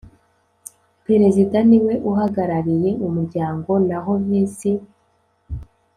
Perezida niwe uhagarariye umuryango naho visi